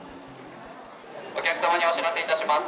お客様にお知らせいたします。